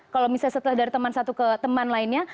kalau misalnya setelah dari teman satu ke teman lainnya